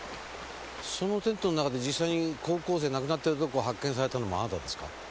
そのテントの中で実際に高校生亡くなってるとこ発見されたのもあなたですか？